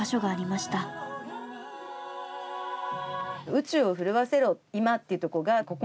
「宇宙を震わせろ今」っていうとこがここものすごい